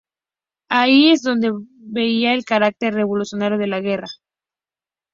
Allí es donde veía al carácter revolucionario de la guerra.